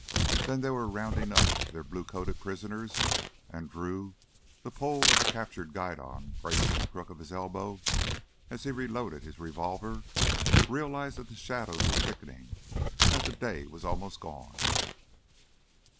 Then they were rounding up their blue coated prisoners and Drew, the pole of the captured guidon braced in the crook of his elbow as he reloaded his revolver, realized that the shadows were thickening, that the day was almost gone.